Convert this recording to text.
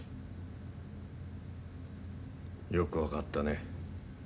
よく分かったね。